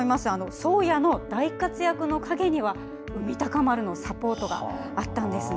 「宗谷」の大活躍の陰には「海鷹丸」のサポートがあったんですね。